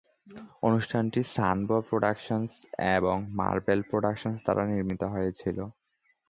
অনুষ্ঠানটি Sunbow productions এবং Marvel productions দ্বারা নির্মিত হয়েছিল।